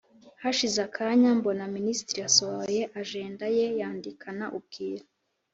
hashize akanya mbona minisitiri asohoye ajenda ye yandikana ubwira,